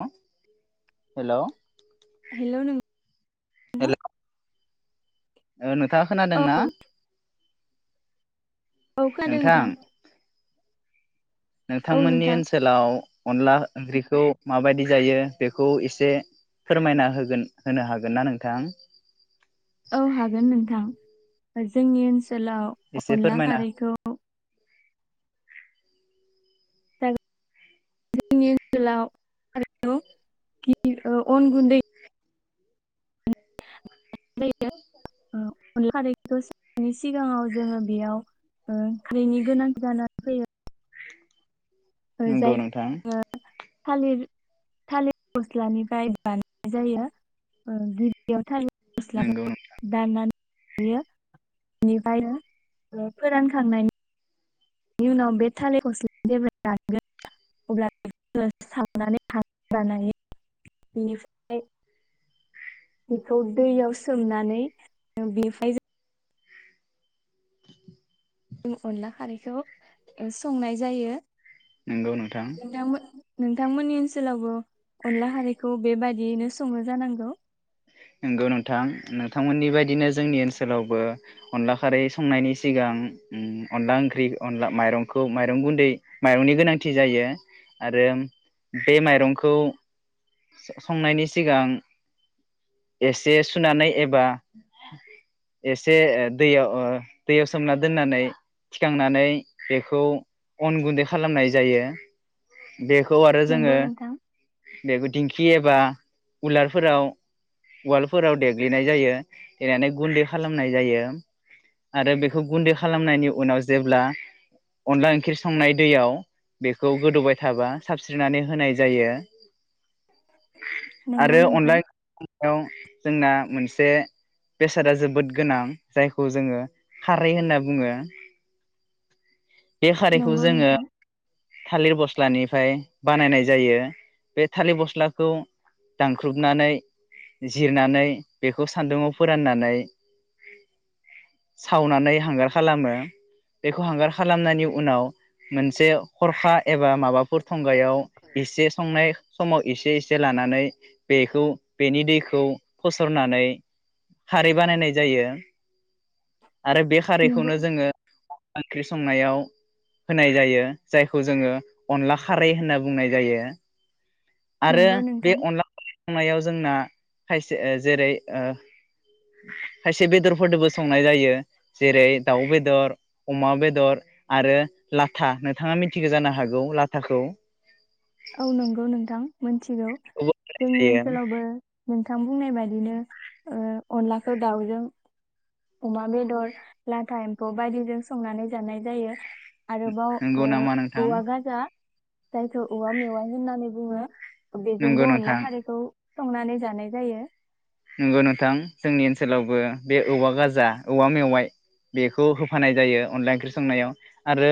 [unintelligible] हेल hello नों आरो ओ थाङा औ खोनादोंना औ खोनादों नोंथां औ नोंथांमोननि नोंथां ओनसोलाव अनला ओंख्रिखौ माबायदि जायो बेखौ एसे फोरमायना होगोन होनो हागोन ना नोंथां औ हागोन नोंथां जोंनि ओनसोल एसे सोलाव अनला फोरमायना खारैखौ जोंनि ओनसोलाव [unintelligible] अन गुन्दै [unintelligible] अनला खारै दसेनि सिगाङाव जोङो बेयाव ओ बेनि गोनांथि जानानै फैयो नंगौ जायखौ नोंथां। थालिर थालिर गस्लानिफ्राय बानायनाय जायो ओ गिबियाव थालिर नंगौ फस्लाखौ दाननानै बियो बेनिफ्राय फोरानखांनायनि बेनि उनाव बे थालिर फस्ला जेब्ला रानगोन अब्ला बेखौ सावनानै [unintelligible] बेनिफ्राय बेखौ दैयाव सोमनानै बेनिफ्राय अनला खारैखौ संनाय जायो। नंगौ नोंथां। नोंथांमोन नोंथांमोननि ओनसोलावबो अनला खारैखौ बेबायदियैनो सङो जानांगौ? नंगौ नोंथां नोंथांमोननि बायदिनो जोंनि ओनसोलावबो अनला खारै संनायनि सिगां ओम अनला ओंख्रि अनला माइरंखौ माइरं गुन्दै माइरंनि गोनांथि जायो आरो बे माइरंखौ स-संनायनि सिगां एसे सुनानै एबा एसे दैयाव ओ दैयाव सोमना दोननानै थिखांनानै बेखौ अन गुन्दै खालामनाय जायो। बेखौ आरो नंगौ जोङो नोंथां बेखौ दिंखि एबा उलारफोराव उवालफोराव देग्लिनाय जायो देनानै गुन्दै खालामनाय जायो आरो बेखौ गुन्दै खालामनायनि उनाव जेब्ला अनला ओंख्रि संनाय दैयाव बेखौ गोदौबाय थाबा साबस्रिनानै होनाय जायो। नंगौ आरो नोंथां अनला यं जोंना मोनसे बेसादा जोबोद गोनां जायखौ जोङो खारै होनना बुङो। बे खारैखौ नंगौ जोङो नोंथां थालिर बस्लानिफ्राय बानायनाय जायो बे थालिर बस्लाखौ दानख्रुबनानै जिरनानै बेखौ सान्दुंआव फोराननानै सावनानै हांगार खालामो बेखौ हांगार खालामनायनि उनाव मोनसे हरखा एबा माबाफोर थं खुगायाव एसे संनाय समाव एसे एसे लानानै बेखौ बेनि दैखौ फसरनानै खारै बानायनाय जायो। आरो बे नंगौ खारैखौनो जोङो ओंख्रि संनायाव होनाय जायो। जायखौ जोङो अनला खारै होनना बुंनाय जायो। आरो नंगौ बे नोंथां अनला [unintelligible] नायाव जोंना खायसे ओ जेरै ओ खायसे बेदरफोरदोबो संनाय जायो जेरै दाउ बेदर, अमा बेदर आरो लाथा। नोंथाङा मिथिगौ जानो हागौ लाथाखौ? औ नंगौ नोंथां मोनथिगौ खौबो होनाय जोंनि जायो ओनसोलावबो नोंथां बुंनाय बादि दिनो ओ अनलाखौ दाउजों अमा बेदर, लाथा एम्फौ बायदिजों संनानै जानाय जायो। आरोबाव नंगौ ओ नामा नोंथां औवा गाजा जायखौ औवा मेवाइ होननानै बुङो। नंगौ बेजोंबो अनला नोंथां खारैखौ संनानै जानाय जायो। नोंगौ नोंथां जोंनि ओन्सोलावबो बे औवा गाजा औवा मेवाइ बेखौ होफानाय जायो अनला ओंख्रि संनायाव। आरो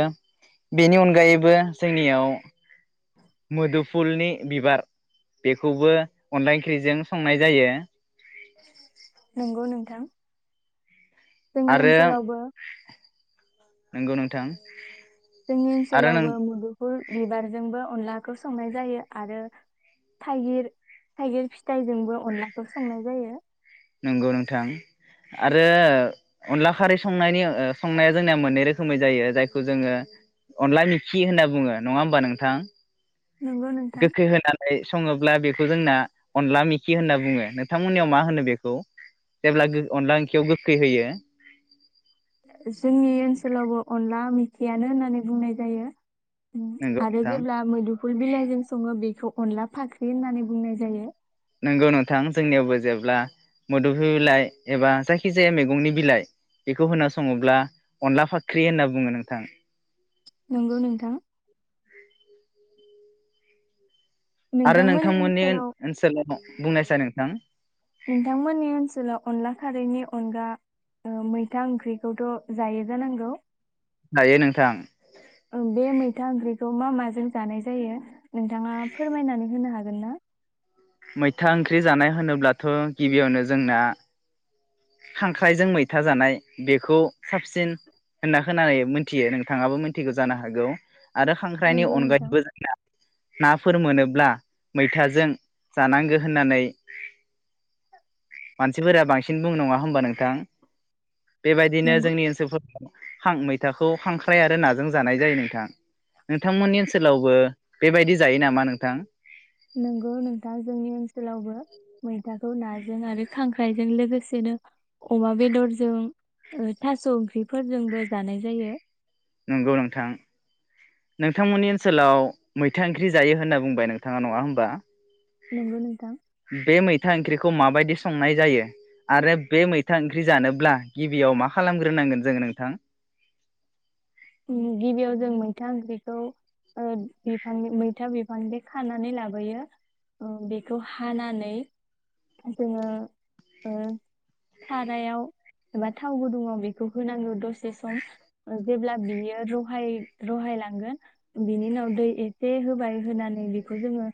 बेनि अनगायैबो जोंनियाव मोदुफुलनि बिबार बेखौबो अनला ओंख्रिजों संनाय जायो। नोंगौ नोंथां। जोंनि ओन्सोलावबो नोंगौ नोंथां। जोंनि आरो नों ओन्सोलावबो मुदुफुल बिबारजोंबो अनला खौ संनाय जायो आरो थाइगिर थाइगिर फिथाइजोंबो अनलाखौ संनाय जायो। नोंगौ नोंथां। आरो ओ अनला खारै संनायनि ओ संनाया जोंनिया मोन्नै रोखोमै जायो जायखौ जोङो अनला मिखि होन्ना बुङो। नङा होमबा नोंथां? नंगौ नोंथां गोखै होनानै सङोब्ला बेखौ जोंना अनला मिखि होन्ना बुङो। नोंथांमोननियाव मा होनो बेखौ जेब्ला अनला ओंखियाव गोखै होयो? जोंनि ओन्सोलावबो अनला मिखियानो होन्नानै बुंनाय जायो। उम नंगौ आरो नोंथां जेब्ला मोदुफुल बिलाइजों सङो बेखौ अनला फाख्रि होन्नानै बुंनाय जायो। नोंगौ नोंथां जोंनियावबो जेब्ला मोदोफुल बिलाइ एबा जायखिजाया मैगंनि बिलाइ बेखौ होना सङोब्ला अनला फाख्रि होन्ना बुङो नोंथां। नोगौ नोंथां। आरो नोंथांमोननि ओन्सोलाव, ओनसोलाव बुंनायसाय नोंथां नोंथांमोननि ओन्सोलाव अनला खारैनि अनगा ओ मैथा ओंख्रिखौथ जायो जानांगौ। जायो नोंथां। ओ बे मैथा ओंख्रिखौ मा माजों जानाय जायो? नोंथाङा फोरमायनानै होनो हागोन गोन्ना? मैथा ओंख्रि जानाय होनोब्लाथ गिबियावनो जोंना खांख्राइजों मैथा जानाय बेखौ साबसिन होन्ना खोनानाय मोन्थियो नोंथाङाबो मिथिगौ जानो हागौ। आरो खांख्रायनि नंगौ नोंथां। अनगायैबो जोंना नाफोर मोनोब्ला मैथाजों जानांगो होन्नानै मानसिफोरा बांसिन न बुं नङा होम्बा नोंथां? बेबायदिनो नंगौ जोंनि ओन्सोलफोर हां मैथाखौ हांख्राइ आरो नाजों जानाय जायो नोंथां। नोंथांमोननि ओन्सोलावबो बेबायदि जायो नामा नोंथां? नोंगौ नोंथां जोंनि ओन्सोलावबो मैथाखौ नाजों आरो खांख्राइजों लोगोसेनो अमा बेदरजों ओ थास' ओंख्रिफोरजोंबो जानाय जायो। नंगौ नोंथां। नोंथांमोननि ओन्सोलाव मैथा ओंख्रि जायो होन्ना बुंबाय नोंथाङा नङा होमबा? नंगौ नोंथां। बे मैथा ओंख्रिखौ माबायदि संनाय जायो आरो बे मैथा ओंख्रि जानोब्ला गिबियाव मा खालामग्रोनांगोन जों नोंथां? उम गिबियाव जों मैथा ओंख्रिखौ ओ बिफां मैथा बिफां बे खानानै लाबोयो ओ बेखौ हानानै जोङो ओ सारायाव एबा थाव गुदुङाव बेखौ होनांगौ दसे सम ओ जेब्ला बियो रहाय रहायलांगोन बिनि उनाव दै एसे होबाय होनानै बेखौ जोङो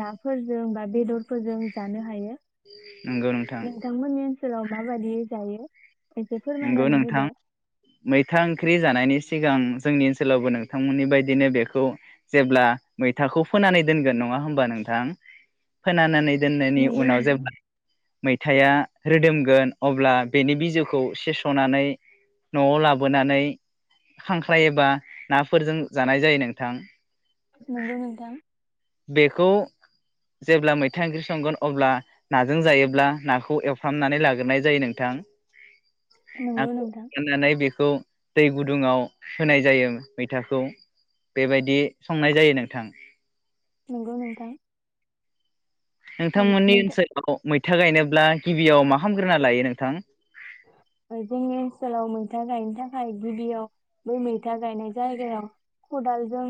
नाफोरजों बा बेदरफोरजों जानो हायो। नंगौ नोंथां नोंथांमोन्नि ओन्सोलाव माबायदि जायो एसे नोंगौ फोरमायनानै नोंथां। होदो मैथा ओंख्रि जानायनि सिगां जोंनि ओन्सोलावबो नोंथांमोननि बायदिनो बेखौ जेब्ला मैथाखौ फोनानै दोनगोन। नङा होमबा नोंथां? फोनानानै दोन्नायनि नंगौ उनाव नोंथां जेब्ला मैथाया रोदोमगोन अब्ला बेनि बिजौखौ। खौ खेबसनानै नआव लाबोनानै खांख्राइ एबा नाफोरजों जानाय जायो नोंथां। नंगौ नोंथां बेखौ जेब्ला मैथा ओंख्रि संगोन अब्ला नाजों जायोब्ला नाखौ एवफ्रामनानै लाग्रोनाय जायो नोंथां। नंगौ नोंथां [inaudible] दै गुदुङाव होनाय जायो मैथाखौ। बेबायदि संनाय जायो नोंथां। नंगौ नोंथां। नोंथांमोननि नोंथां ओनसोलाव मै था गायनोब्ला गिबियाव मा खालामग्रोना लायो नोंथां? जोंनि ओनसोलाव मैथा गायनो थाखाय गिबियाव बै मैथा गायनाय जायगायाव खदालजों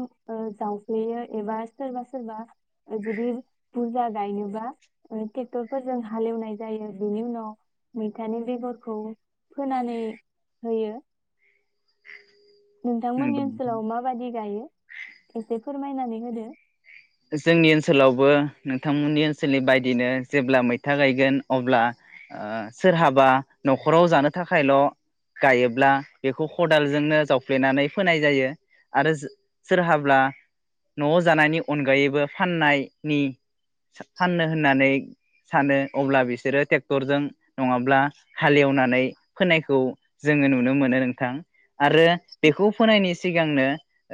जावफ्लेयो एबा सोरबा सोरबा जुदि बुरजा गायनोबा ट्रेक्टरफोरजों हालेवनाय जायो बेनि उनाव मैथानि बेगर। फोनानै होयो। नंगौ नोंथांमोननि नोंथां। ओनसोलाव माबादि गायो एसे फोरमायदो? फोरमायनानै होदो। जोंनि ओनसोलावबो नोंथांमोननि ओनसोलनि बायदिनो जेब्ला मैथा गायगोन अब्ला सोरहाबा नखराव जानो थाखायल गायोब्ला बेखौ खदालजोंनो जावफ्लेनानै फोनाय जायो आरो सोरहाबा नआव जानायनि। अनगायैबो फाननायनि फाननो होननानै सानो अब्ला बिसोरो ट्रेक्टरजों नङाब्ला हालेवनानै फोनायखौ जोङो नुनो मोनो नोंथां। आरो बेखौ फोनायनि। सिगांनो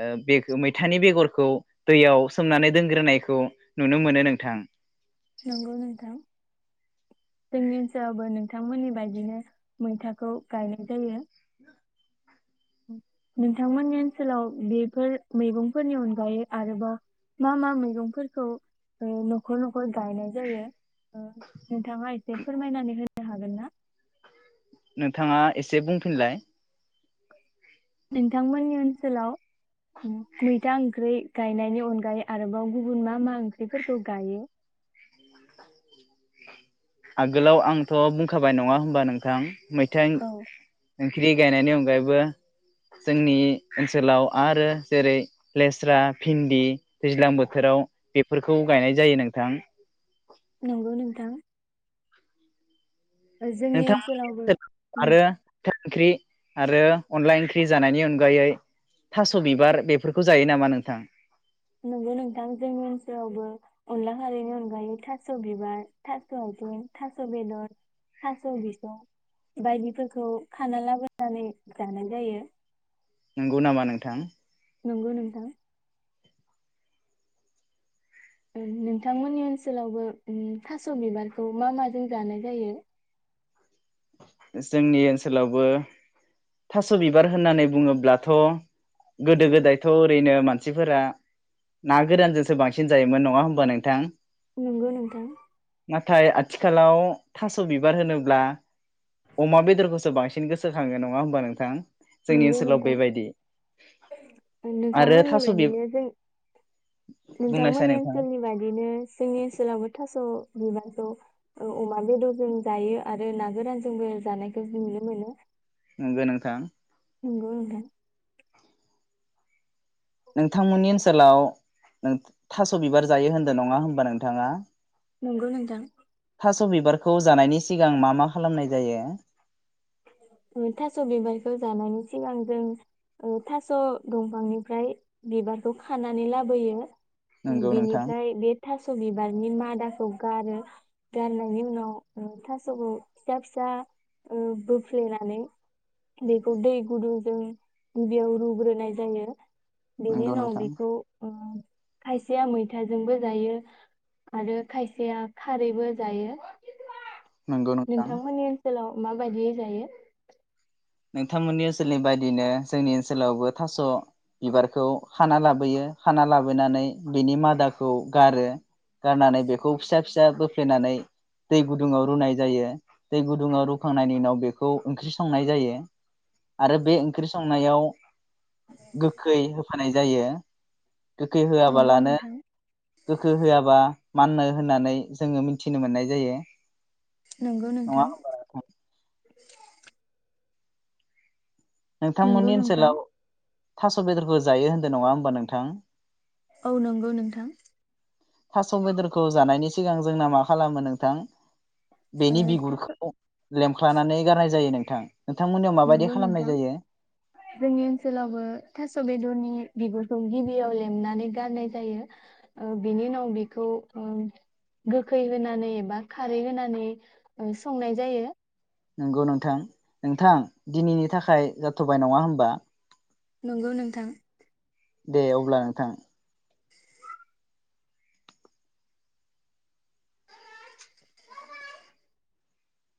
ओ बे मैथानि बेगरखौ दैयाव। सोमनानै दोनग्रोनायखौ नुनो मोनो नोंथां। नंगौ नोंथां जोंनि ओनसोलावबो नोंथांमोननि बायदिनो मैथाखौ गायनाय जायो। नोंथांमोननि ओनसोलाव बेफोर मैगंफोरनि अनगायै आरोबा मा मा मैगंफोरखौ ओ‌नखर नखर। गायनाय जायो नोंथाङा एसे फोरमायनानै हो। हागोन ना? नोंथाङा एसे बुंफिनलाय। नोंथांमोननि ओनसोलाव मैथा ओंख्रै गायनायनि अनगायै आरोबाव गुबुन मा मा ओंख्रिफोरखौ गायो? आगोलाव आंथ बुंखाबाय नङा होमबा नोंथां मैथा औ ओंख्रि गायनायनि अनगायैबो जोंनि ओनसोलाव आरो जेरै लेस्रा भिन्दि दैज्लां बोथोराव बेफोरखौ गायनाय जायो नोंथां। नंगौ नोंथां। ओ, जोंनि ओनसोलावबो नोंथां [unintelligible] आरो नों- फिथाइ ओंख्रि आरो अनला ओंख्रि जानायनि अनगायै थास बिबार बेफोरखौ जायो नामा नोंथां? नंगौ नोंथां जोंनि ओनसोलावबो अनला खारिनि अनगायै थास बिबार, थास आथिं, थास बेदर, थास बिसं बायदिफोरखौ खाना लाबोनानै जानाय जायो। नंगौ नामा नोंथां। नंगौ नोंथां। नोंथांमोननि ओनसोलावबो थास बिबारखौ मा माजों जानाय जायो? जोंनि ओनसोलावबो थास बिबार होननानै बुङोब्लाथ। गोदो गोदायथ। ओरैनो मानसिफोरा। ना गोरानजोंसो बांसिन बांसिन जायोमोन नङा होमबा नोंथां। नंगौ नोंथां। थाय आथिखालाव थास' बिबार होनोब्ला? अमा बेदरखौसो बांसिन गोसोखाङो नङा होमबा नोंथां। जोंनि नंगौ ओनसोलाव नोंथां बेबायदि आरो नोंथांमोननि थास' बि बादिनो जों बुंनायसाय नोंथांमोननि नोंथां ओनसोलनि बादिनो जोंनि ओनसोलावबो थास' बिबारखौ औ अमा बेदरजों जायो आरो ना गोरानजोंबो जानायखौ जों नुनो मोनो। नोंगो नोंथां। नंगौ नोथां। नोंथांमोननि ओनसोलाव नो थास' बिबार जायो होनदो नङा होमबा नोंथाङा। नंगौ नोंथां। थास' बिबारखौ जानायनि सिगां मा मा खालामनाय जायो? ओ थास' बिबारखौ जानायनि सिगां जों ओ थास' दंफांनिफ्राय बिबारखौ खानानै लाबोयो। ओ नंगौ नोंथां बेनिफ्राय बे थास' बिबारनि मादाखौ गारो गारनायनि उनाव ओ थासखौ फिसा फिसा ओ बोफ्लेनानै बेखौ दै गुदुंजों बेयाव रुग्रोनाय जायो। बेनि नंगौ उनाव नोंथां बेखौ ओ खायसेया मैथाजोंबो जायो आरो खायसेया खारैबो जायो। नंगौ नोंथां नोंथांमोननि ओनसोलाव माबायदि जायो? नोंथांमोननि ओनसोलनि बायदिनो जोंनि ओनसोलावबो थास' बिबारखौ खाना लाबोयो खाना लाबोनानै बेनि मादाखौ गारो गारनानै बेखौ फिसा फिसा बोफ्लेनानै दै गुदुङाव रुनाय जायो। दै गुदुङाव रुखांनायनि उनाव बेखौ ओंख्रि संनाय जायो। आरो बे ओंख्रि संनायाव गोखै होफानाय जायो। गोखै नंगौ होआबालानो नोंथां गोखै होआबा माननो होननानै जोङो मिथिनो मोननाय जायो। नंगौ नङा नोंथां होमबा [inaudible] नंगौ नोंथांमोननि नोंथां ओनसोलाव थास‌' बेदरखौ जायो होन्दो नङा होमबा नोंथां। औ नंगौ नोंथां। थास' बेदरखौ जानायनि सिगां जोंना मा खालामो नोंथां? ओ बेनि थास' बिगुरखौ लेमख्लानानै गारनाय जायो नों थां नंगौ नोंथां जोंनि ओनसोलावबो थास' बेदरनि बिगुर ओं गिबियाव लेमनानै गारनाय जायो ओ बिनि उनाव बेखौ ओ गोखै होनानै एबा खारै होनानै ओ संनाय जायो। नंगौ नोंथां नोंथां दिनैनि थाखाय जाथबाय नङा होमबा नंगौ नोंथां। दे अब्ला नोंथां।